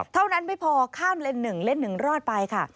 เท่านั้นไม่พอข้ามเลนส์๑เลนส์๑รอดไปค่ะ